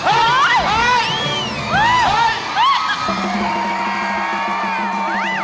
เยอะไหวมาก